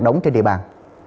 đóng trên địa bàn